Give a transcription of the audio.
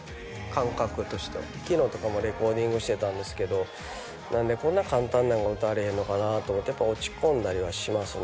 感覚としては昨日とかもレコーディングしてたんですけど何でこんな簡単なんが歌われへんのかなと思ってやっぱ落ち込んだりはしますね